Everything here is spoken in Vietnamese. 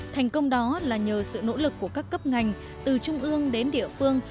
thành công đó là nhờ sự nỗ lực của các cấp ngành từ trung ương đến địa phương